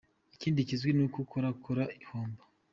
Ikindi kizwi n’uko ikora ikora ihomba !